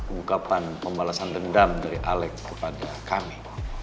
ungkapan pembalasan dendam dari alex kepada kami